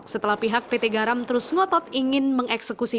setelah pihak pt garam terus ngotot ingin mengeksekusi